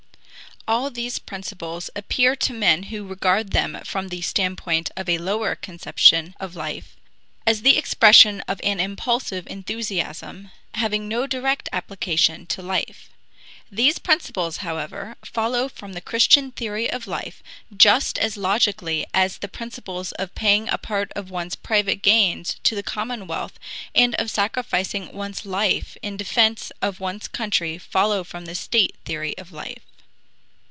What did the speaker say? All these principles appear to men who regard them from the standpoint of a lower conception of life as the expression of an impulsive enthusiasm, having no direct application to life. These principles, however, follow from the Christian theory of life, just as logically as the principles of paying a part of one's private gains to the commonwealth and of sacrificing one's life in defense of one's country follow from the state theory of life.